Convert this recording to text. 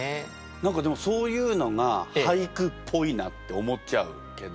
何かでもそういうのが俳句っぽいなって思っちゃうけど。